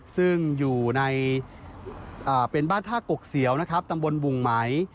ซึ่งเป็นบ้านท่ากกเสียวตำบลบุ่งมัย